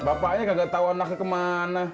bapaknya gak tau anaknya kemana